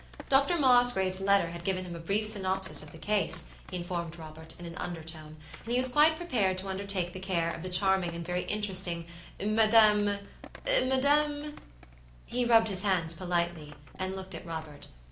Dr. Mosgrave's letter had given him a brief synopsis of the case, he informed Robert, in an undertone, and he was quite prepared to undertake the care of the charming and very interesting "MadamMadam" He rubbed his hands politely, and looked at Robert.